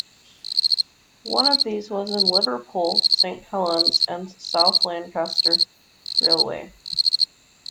One of these was the Liverpool, Saint Helens and South Lancashire Railway.